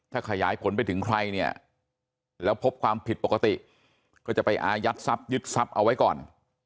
ถ้าขยายผลไปถึงใครเนี่ยแล้วพบความผิดปกติก็จะไปอายัดทรัพย์ยึดทรัพย์เอาไว้ก่อน